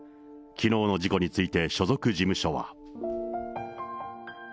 きのうの事故について所属事務所は。